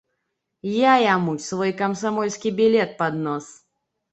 Я яму свой камсамольскі білет пад нос.